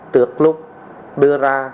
trước lúc đưa ra